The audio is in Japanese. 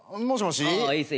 もしもし？